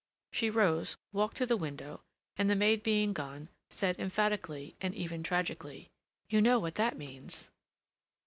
She rose, walked to the window, and, the maid being gone, said emphatically and even tragically: "You know what that means."